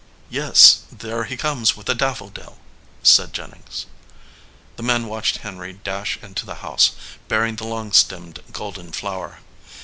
"Yes, there he comes with a daffodil," said Jen nings. The men watched Henry dash into the house, bearing the long stemmed golden flower.